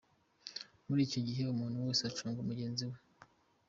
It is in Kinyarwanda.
Muri icyo gihe, umuntu wese acunga mugenzi we.